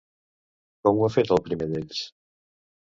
Com ho ha fet el primer d'ells?